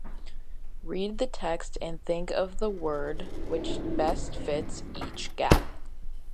Read the text and think of the word which best fits each gap.